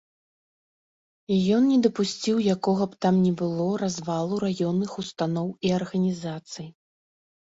Ён не дапусціў якога б там ні было развалу раённых устаноў і арганізацый.